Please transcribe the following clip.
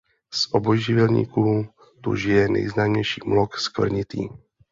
Z obojživelníků tu žije nejznámější mlok skvrnitý.